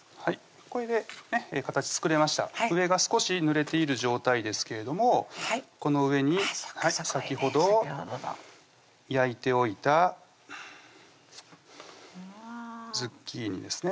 これで形作れました上が少しぬれている状態ですけれどもこの上に先ほど焼いておいたズッキーニですね